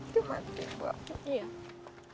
cuman si mbok